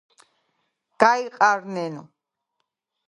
გაიყარნენ